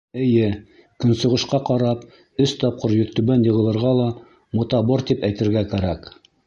Эйе, көнсығышҡа ҡарап, өс тапҡыр йөҙтүбән йығылырға ла «мутабор» тип әйтергә кәрәк.